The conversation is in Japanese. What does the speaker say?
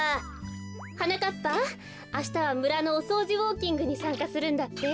はなかっぱあしたはむらのおそうじウォーキングにさんかするんだって？